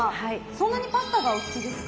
そんなにパスタがお好きですか？